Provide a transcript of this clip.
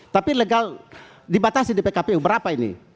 tapi legal dibatasi di pkpu berapa ini